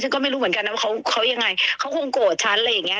ก็ไม่รู้เหมือนกันนะว่าเขายังไงเขาคงโกรธฉันอะไรอย่างเงี้